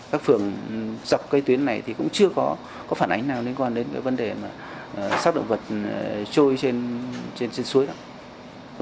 các phường dọc cây tuyến này thì cũng chưa có phản ánh nào liên quan đến cái vấn đề sát động vật trôi trên suối đó